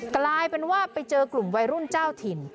กลายเป็นว่าไปเจอกลุ่มวัยรุ่นเจ้าถิ่น